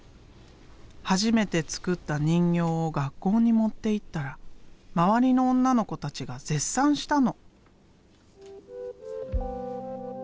初めて作った人形を学校に持っていったら周りの女の子たちが絶賛したの。